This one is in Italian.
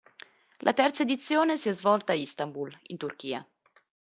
La terza edizione si è svolta a Istanbul in Turchia.